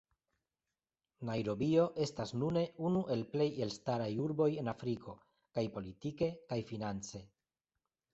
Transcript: Najrobio estas nune unu el plej elstaraj urboj en Afriko, kaj politike kaj finance.